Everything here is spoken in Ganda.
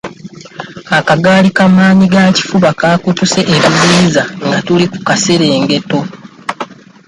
Akagaali ka maanyigakifuba kaakutuse ebiziyiza nga tuli ku kaserengeto.